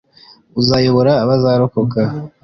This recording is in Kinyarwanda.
uzayobora abazarokoka